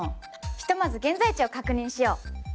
ひとまず現在地を確認しよう。